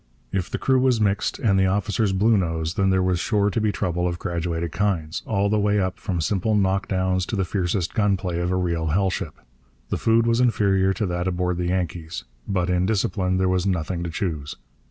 If the crew was mixed and the officers Bluenose there was sure to be trouble of graduated kinds, all the way up from simple knock downs to the fiercest gun play of a real hell ship. The food was inferior to that aboard the Yankees. But in discipline there was nothing to choose.